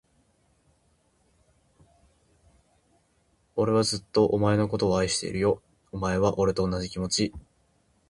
俺はずっと、お前のことを愛してるよ。お前は、俺と同じ気持ち？